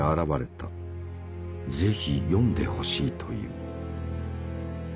是非読んでほしいという。